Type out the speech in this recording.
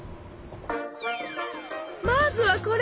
まずはこれ！